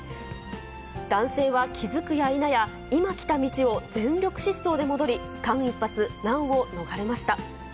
男性は気付くやいなや、今来た道を全力疾走で戻り、間一髪、難を逃れました。